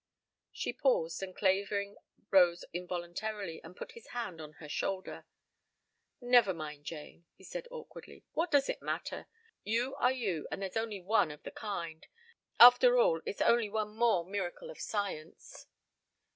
She paused, and Clavering rose involuntarily and put his hand on her shoulder. "Never mind, Jane," he said awkwardly. "What does it matter? You are you and there's only one of the kind. After all it's only one more miracle of Science.